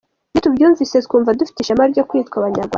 Iyo tubyumvise twumva dufite ishema ryo kwitwa Abanyarwanda.